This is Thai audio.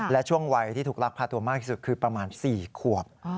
และช่วงวัยที่ถูกลักพาตัวมากที่สุดคือประมาณ๔ขวบ